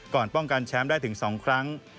ป้องกันแชมป์ได้ถึง๒ครั้ง